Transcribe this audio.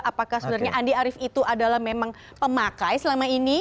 apakah sebenarnya andi arief itu adalah memang pemakai selama ini